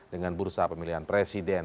dengan bursa pemilihan presiden